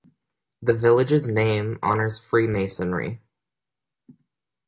The village's name honors Freemasonry.